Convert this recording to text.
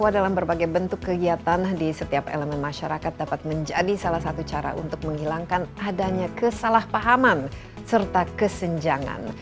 bahwa dalam berbagai bentuk kegiatan di setiap elemen masyarakat dapat menjadi salah satu cara untuk menghilangkan adanya kesalahpahaman serta kesenjangan